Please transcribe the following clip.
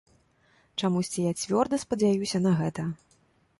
Чамусьці я цвёрда спадзяюся на гэта.